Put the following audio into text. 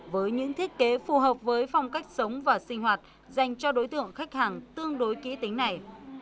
với những thiết kế phù hợp với phong cách sống và sinh hoạt dành cho đối tượng khách hàng tương đối kỹ tính này